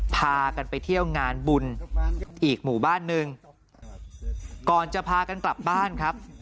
พากันไปเที่ยวงานบุญอีกหมู่บ้านหนึ่งก่อนจะพากันกลับบ้านครับ